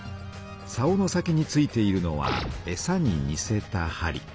さおの先に付いているのはえさににせたはり。